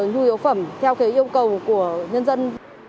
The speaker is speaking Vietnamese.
nhu yếu phẩm theo yêu cầu của nhân dân